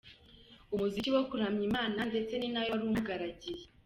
muziki wo kuramya Imana ndetse ni nawe wari umugaragiye